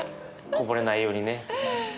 こぼれないようにね。